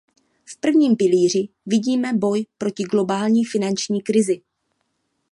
V prvním pilíři vidíme boj proti globální finanční krizi.